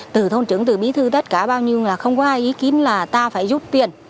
từ thôn trưởng từ bí thư tất cả bao nhiêu là không có ai ý kiến là ta phải rút tiền